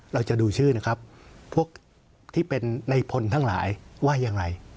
เราจะดูชื่อนะครับพวกที่เป็นในพลทั้งหลายว่าอย่างไร